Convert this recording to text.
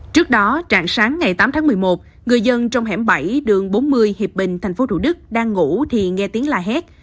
trước đó trạng sáng ngày tám tháng một mươi một người dân trong hẻm bảy đường bốn mươi hiệp bình tp thủ đức đang ngủ thì nghe tiếng la hét